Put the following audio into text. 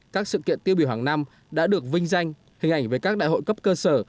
các sự kiện tiêu biểu hàng năm đã được vinh danh hình ảnh về các đại hội cấp cơ sở